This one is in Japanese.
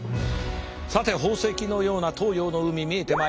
さて宝石のような東洋の海見えてまいりました。